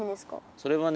それはね